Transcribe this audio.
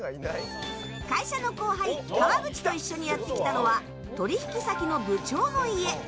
会社の後輩・川口と一緒にやってきたのは取引先の部長の家。